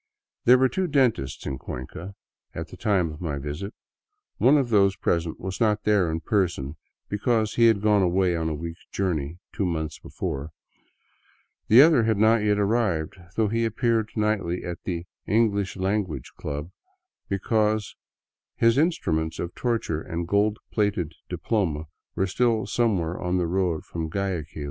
There were two dentists in Cuenca at the time of my visit. One of those present was not there in person, because he had gone away on a week's journey two months before; the other had not yet arrived, though he appeared nightly at the " English Language Club," because his instruments of torture and gold plated diploma were still some where on the road from Guayaquil.